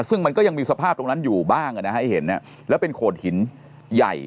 ซึ่งมันก็ยังมีสภาพตรงนั้นอยู่บ้างให้เห็นแล้วเป็นโขดหินใหญ่